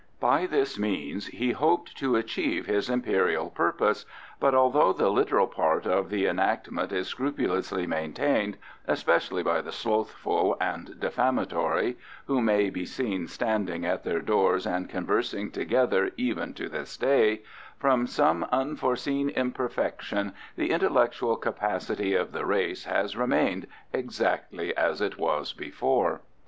By this means he hoped to achieve his imperial purpose, but although the literal part of the enactment is scrupulously maintained, especially by the slothful and defamatory, who may be seen standing at their doors and conversing together even to this day, from some unforeseen imperfection the intellectual capacity of the race has remained exactly as it was before.